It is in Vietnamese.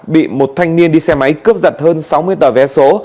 bị một thanh niên đi xe máy cướp giật hơn sáu mươi tờ vé số